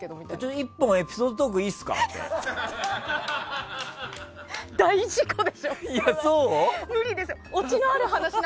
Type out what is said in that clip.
１本エピソードトークいいすか？みたいな。